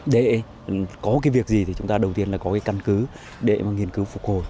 để có cái việc gì thì chúng ta đầu tiên là có cái căn cứ để mà nghiên cứu phục hồi